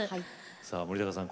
さあ森高さん